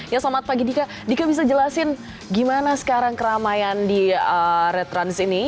ya selamat pagi dika dika bisa jelasin gimana sekarang keramaian di red trans ini